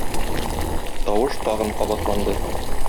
Тавыш тагын кабатланды.